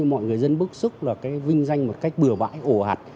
mọi người dân bức xúc vinh danh một cách bừa vãi ổ hạt